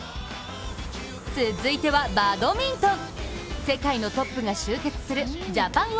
続いては、バドミントン。